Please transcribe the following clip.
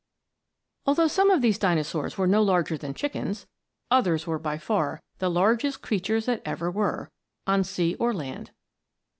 Although some of these Dinosaurs were no larger than chickens, others were by far the largest creatures that ever were, on sea or land.